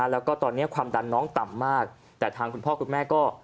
แล้วก็ตอนนี้ความดันน้องต่ำมากแต่ทางคุณพ่อคุณแม่ก็